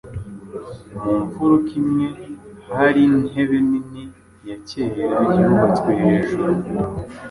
Mu mfuruka imwe hari intebe nini ya kera yubatswe hejuru